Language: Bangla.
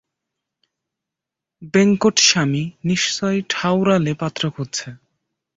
বেঙ্কটস্বামী নিশ্চয় ঠাওরালে পাত্র খুঁজছে।